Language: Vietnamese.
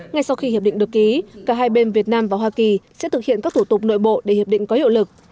ngay sau khi hiệp định được ký cả hai bên việt nam và hoa kỳ sẽ thực hiện các thủ tục nội bộ để hiệp định có hiệu lực